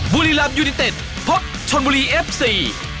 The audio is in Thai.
บุรีรำยูนิเต็ดพบชนบุรีเอฟซี